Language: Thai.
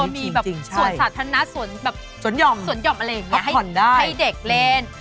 มีส่วนสาธารณะส่วนยอมอะไรอย่างนี้ให้เด็กเล่น